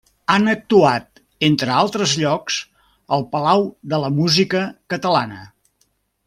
Han actuat, entre altres llocs, al Palau de la Música Catalana.